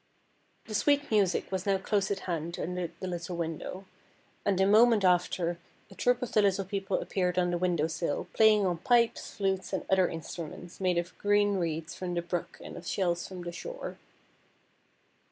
The sweet music was now close at hand under the little window, and a moment after a troop of the Little People appeared on the window sill, playing on pipes, flutes, and other instruments made of green reeds from the brook and of shells from the shore.